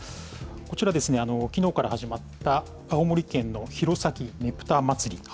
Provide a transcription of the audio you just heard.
こちら、きのうから始まった青森県の弘前ねぷたまつり。